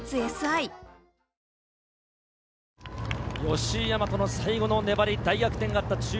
吉居大和の最後の粘り、大逆転があった中央。